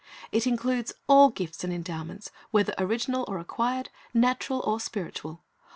It includes all gifts and endow ments, whether original or acquired, natural or spiritual.